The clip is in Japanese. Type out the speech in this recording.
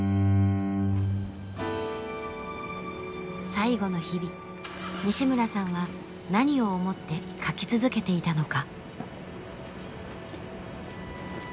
最後の日々西村さんは何を思って書き続けていたのか。